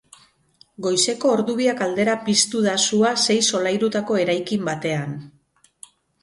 Goizeko ordubiak aldera piztu da sua sei solairutako eraikin batean.